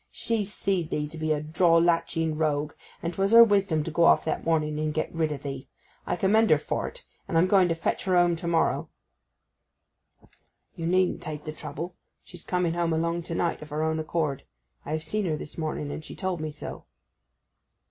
She seed thee to be a drawlacheting rogue, and 'twas her wisdom to go off that morning and get rid o' thee. I commend her for't, and I'm going to fetch her home to morrow.' 'You needn't take the trouble. She's coming home along to night of her own accord. I have seen her this morning, and she told me so.